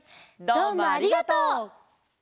どうもありがとう！